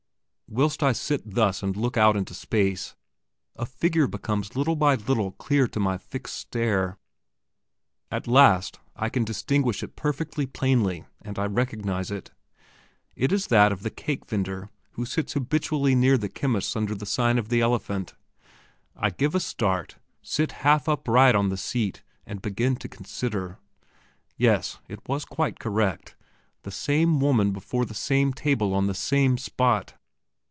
Whilst I sit thus and look out into space, a figure becomes little by little clear to my fixed stare. At last I can distinguish it perfectly plainly, and I recognize it. It is that of the cake vendor who sits habitually near the chemist's under the sign of the elephant. I give a start, sit half upright on the seat, and begin to consider. Yes, it was quite correct the same woman before the same table on the same spot!